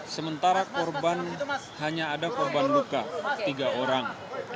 sementara korban hanya ada korban luka tiga orang